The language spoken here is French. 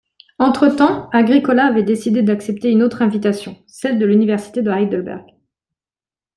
Entre-temps, Agricola avait décidé d’accepter une autre invitation, celle de l'Université de Heidelberg.